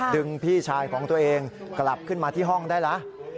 พี่ชายของตัวเองกลับขึ้นมาที่ห้องได้ละ